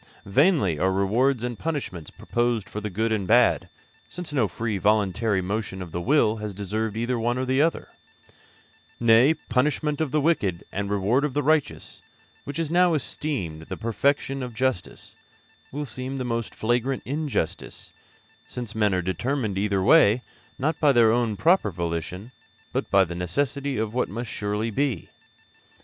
Vainly are rewards and punishments proposed for the good and bad, since no free and voluntary motion of the will has deserved either one or the other; nay, the punishment of the wicked and the reward of the righteous, which is now esteemed the perfection of justice, will seem the most flagrant injustice, since men are determined either way not by their own proper volition, but by the necessity of what must surely be.